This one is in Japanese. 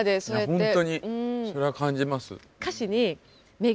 本当にそれは感じます。